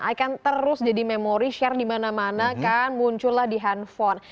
i can't terus jadi memory share di mana mana kan muncullah di handphone